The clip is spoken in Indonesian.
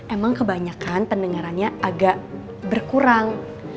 emang kebanyakan pendengarannya agak berkurang